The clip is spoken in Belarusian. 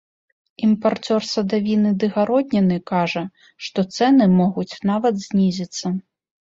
Імпарцёр садавіны ды гародніны кажа, што цэны могуць нават знізіцца!